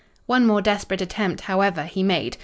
"One more desperate attempt, however, he made.